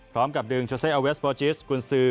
พร้อมกับดึงโชเซเออเวสบอร์จิสกุลซื้อ